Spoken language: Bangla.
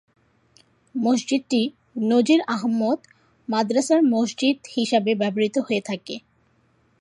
মসজিদটি নজির আহমদ মাদ্রাসার মসজিদ হিসাবে ব্যবহৃত হয়ে থাকে।